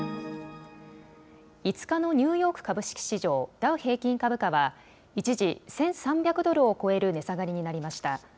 ５日のニューヨーク株式市場、ダウ平均株価は、一時１３００ドルを超える値下がりになりました。